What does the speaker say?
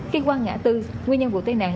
khi qua ngã tư nguyên nhân vụ tai nạn